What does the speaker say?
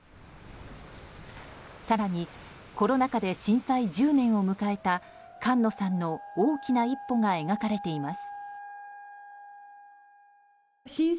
更に、コロナ禍で震災１０年を迎えた菅野さんの大きな一歩が描かれています。